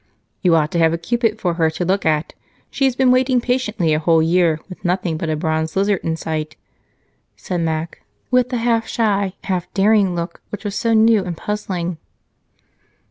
"You ought to have a Cupid for her to look at. She has been waiting patiently a whole year, with nothing but a bronze lizard in sight," said Mac with the half shy, half daring look which was so new and puzzling.